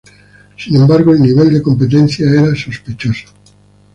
Sin embargo, el nivel de competencia era sospechoso.